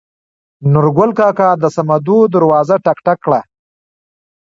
نورګل کاکا د سمدو دروازه ټک ټک کړه.